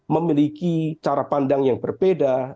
memiliki cara pandang yang berbeda